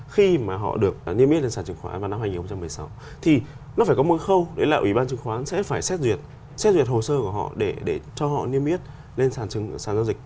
khi mà họ được niêm yết lên sản chứng khoán vào năm hai nghìn một mươi sáu thì nó phải có mối khâu để là ủy ban chứng khoán sẽ phải xét duyệt hồ sơ của họ để cho họ niêm yết lên sản dân dịch